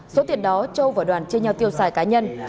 số tiền đó châu và đoàn chia nhau tiêu xài cá nhân